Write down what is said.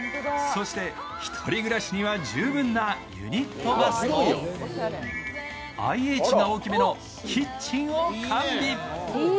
そして１人暮らしには十分なユニットバスとＩＨが大きめのキッチンを完備。